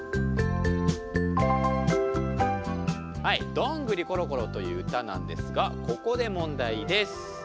「どんぐりころころ」という歌なんですがここで問題です。